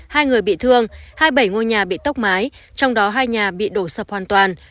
hai người bị thương hai mươi bảy ngôi nhà bị tốc mái trong đó hai nhà bị đổ sập hoàn toàn